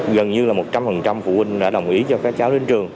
gần như là một trăm linh phụ huynh đã đồng ý cho các cháu đến trường